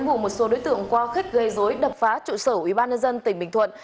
cơ quan đến vụ một số đối tượng qua khích gây dối đập phá trụ sở ubnd tỉnh bình thuận